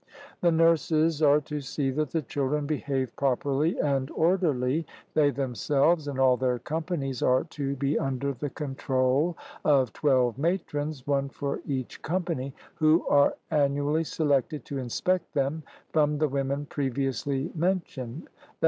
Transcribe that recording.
The nurses are to see that the children behave properly and orderly they themselves and all their companies are to be under the control of twelve matrons, one for each company, who are annually selected to inspect them from the women previously mentioned [i.